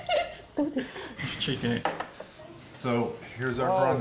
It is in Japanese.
どうですか？